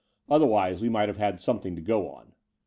Otherwise we might have had something to go on.